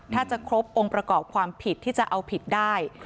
ถ้าจะครบองค์ประกอบความผิดที่จะเอาผิดได้